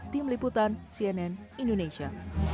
tim liputan cnn indonesia